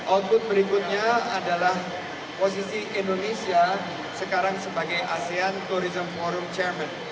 output berikutnya adalah posisi indonesia sekarang sebagai asean tourism forum chairman